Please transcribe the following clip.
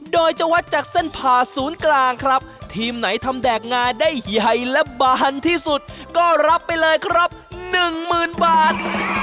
โดยจะวัดจากเส้นผ่าศูนย์กลางครับทีมไหนทำแดกงาได้ใหญ่และบานที่สุดก็รับไปเลยครับหนึ่งหมื่นบาท